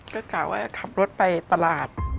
ก็กล่าวว่าขับรถไปตลาด